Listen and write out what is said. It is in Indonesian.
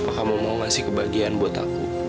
aku kamu mau ngasih kebahagiaan buat aku